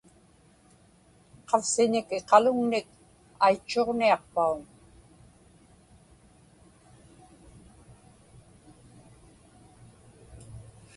Qavsiñik iqaluŋnik aitchuġniaqpauŋ?